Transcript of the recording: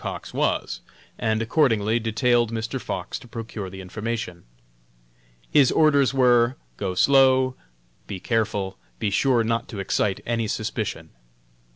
Cox was, and accordingly detailed Mr. Fox to procure the information. "His orders were: Go slow; be careful; be sure not to excite any suspicion."